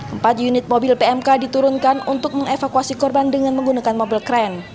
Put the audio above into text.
empat unit mobil pmk diturunkan untuk mengevakuasi korban dengan menggunakan mobil kren